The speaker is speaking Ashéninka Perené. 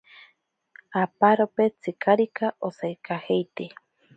Aparope tsikarika asaikajeite.